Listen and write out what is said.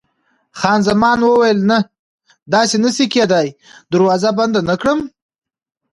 خان زمان وویل: نه، داسې نه شي کېدای، دروازه بنده نه کړم.